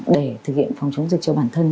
để thực hiện phòng chống dịch cho bản thân